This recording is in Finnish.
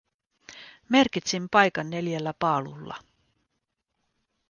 Merkitsin paikan neljällä paalulla.